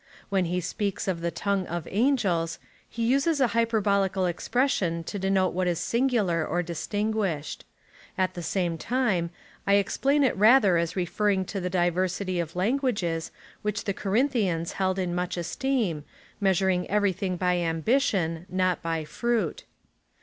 When he speaks of the tongue of angels, he uses a hyperbolical expression to de note what is singular, or distinguished. At the same time, I explain it rather as referring to the diversity of languages, which the Corinthians held in much esteem, measuring everything by ambition — not by fruit.